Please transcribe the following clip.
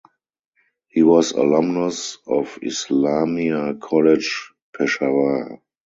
He was alumnus of Islamia College Peshawar.